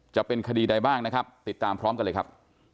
จะเป็นคดีใดบ้างนะครับติดตามพร้อมกันเลยครับ